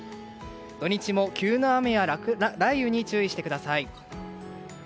土日も急な雨や雷雨に注意してください。